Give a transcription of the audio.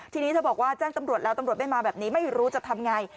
ทีนี้เธอบอกว่าแจ้งตำรวจแล้วตำรวจไม่มาแบบนี้ไม่รู้จะทำไง